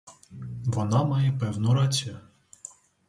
Вона має певну рацію.